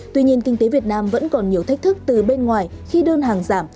tuy nhiên kinh tế việt nam vẫn còn nhiều thách thức từ bên ngoài khi đơn hàng giảm